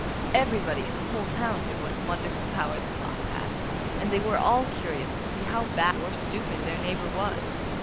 Everybody in the whole town knew what a wonderful power the cloth had, and they were all curious to see how bad or how stupid their neighbour was.